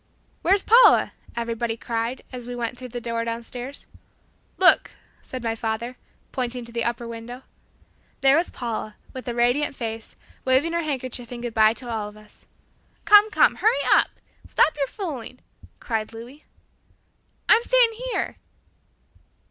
"Where's Paula?" everybody cried, as we went through the door downstairs. "Look," said my father, pointing to the upper window. There was Paula, with a radiant face, waving her handkerchief in good bye to all of us! "Come, come, hurry up; stop your fooling!" cried Louis. "I'm staying here."